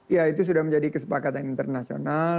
ya itu sudah menjadi kesepakatan internasional